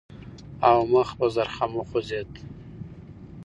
او مخ په زرخم وخوځېد.